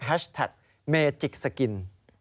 แท็กเมจิกสกิน